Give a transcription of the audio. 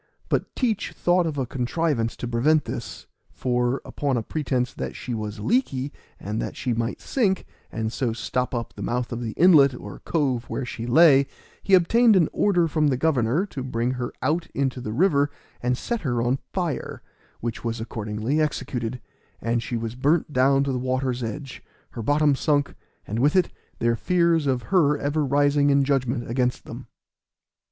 But Teach thought of a contrivance to prevent this, for, upon a pretence that she was leaky, and that she might sink, and so stop up the mouth of the inlet or cove where she lay, he obtained an order from the governor to bring her out into the river and set her on fire, which was accordingly executed, and she was burnt down to the water's edge, her bottom sunk, and with it their fears of her ever rising in judgment against them.